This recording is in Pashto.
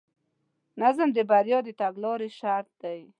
نظم د بریا د تګلارې شرط دی.